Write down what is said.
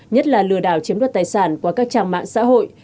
nhất là lừa đảo chiếm đoạt tài sản qua các trang mạng xã hội